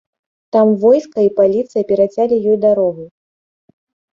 Там войска і паліцыя перацялі ёй дарогу.